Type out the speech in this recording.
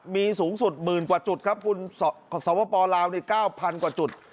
มีสูงสุดหมื่นกว่าจุดครับคุณสวปลาว๙๐๐กว่าจุด